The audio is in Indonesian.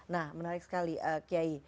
nah menarik sekali kiai